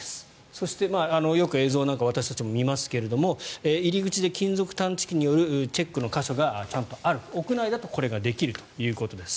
そして、よく映像なんか私たちも見ますけれども入り口で金属探知機によるチェックの箇所がちゃんとある、屋内だとこれができるということです。